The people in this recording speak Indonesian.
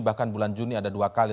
bahkan bulan juni ada dua kali